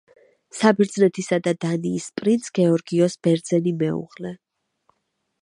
საბერძნეთისა და დანიის პრინც გეორგიოს ბერძენის მეუღლე.